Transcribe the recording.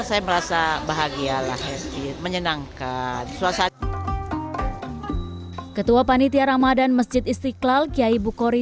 saya merasa bahagialah menyenangkan suasana ketua panitia ramadhan masjid istiqlal kiai bukhori